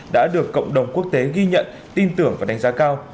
đã được cộng đồng quốc tế ghi nhận tin tưởng và đánh giá cao